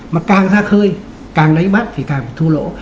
mà càng ra khơi càng đánh bắt thì càng thu lỗ